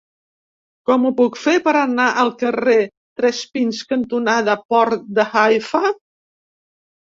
Com ho puc fer per anar al carrer Tres Pins cantonada Port de Haifa?